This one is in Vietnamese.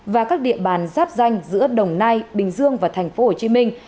và các địa bàn giáp danh giữa đồng nai bình dương và tp hồ chí minh